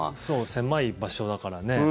狭い場所だから、ねえ。